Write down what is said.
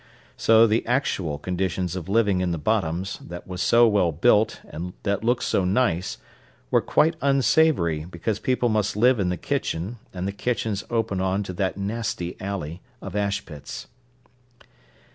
So, the actual conditions of living in the Bottoms, that was so well built and that looked so nice, were quite unsavoury because people must live in the kitchen, and the kitchens opened on to that nasty alley of ash pits.